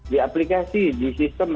di aplikasi di sistem